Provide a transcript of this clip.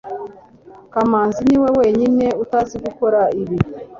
kamanzi niwe wenyine utazi gukora ibi